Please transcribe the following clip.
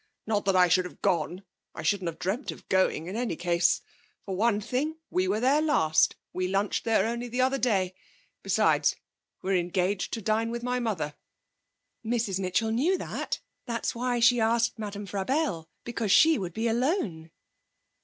Not that I should have gone. I shouldn't have dreamed of going, in any case. For one thing we were there last; we lunched there only the other day. Besides, we're engaged to dine with my mother.' 'Mrs Mitchell knew that; that's why she asked Madame Frabelle because she would be alone.'